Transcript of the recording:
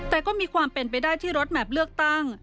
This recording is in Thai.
แต่ก็มีความเป็นไปได้ที่รถแมพเลือกตั้ง